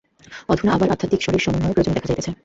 অধুনা আবার আধ্যাত্মিক স্তরে সমন্বয়ের প্রয়োজন দেখা যাইতেছে।